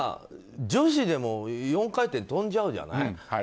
女子でも４回転跳んじゃうじゃない。